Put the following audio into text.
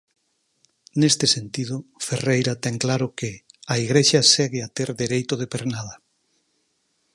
Neste sentido, Ferreira ten claro que "a Igrexa segue a ter dereito de pernada".